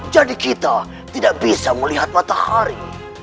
jadi kita tidak bisa melihat matahari